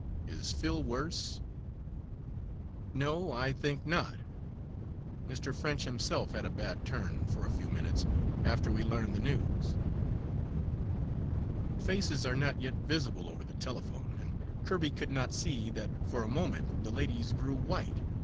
Is Phil worse?" "No, I think not. Mr. French himself had a bad turn, for a few minutes, after we learned the news." Faces are not yet visible over the telephone, and Kirby could not see that for a moment the lady's grew white.